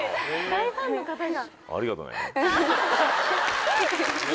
大ファンの方が。